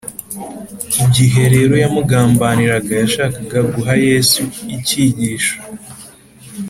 igihe rero yamugambaniraga, yashakaga guha yesu icyigisho